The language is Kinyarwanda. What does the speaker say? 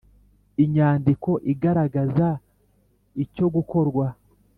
Inyandiko igaragaza icyogukorwa .